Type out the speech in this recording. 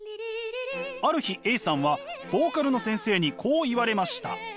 ある日Ａさんはボーカルの先生にこう言われました。